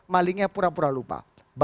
malingnya pura pura lupa